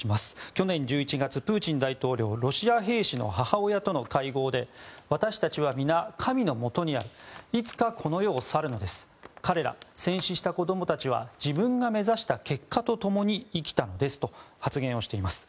去年１１月、プーチン大統領ロシア兵士の母親との会合で私たちは皆、神のもとにあるいつかこの世を去るのです彼ら、戦死した子どもたちは自分が目指した結果とともに生きたのですと発言をしています。